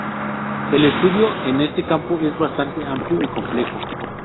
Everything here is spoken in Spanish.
El estudio en este campo es bastante amplio y complejo...